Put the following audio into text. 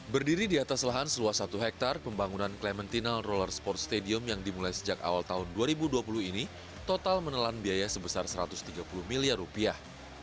berdiri di atas lahan seluas satu hektare pembangunan clementinal roller sport stadium yang dimulai sejak awal tahun dua ribu dua puluh ini total menelan biaya sebesar satu ratus tiga puluh miliar rupiah